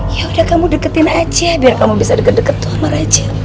ya udah kamu deketin aja biar kamu bisa deket deket tuh sama raja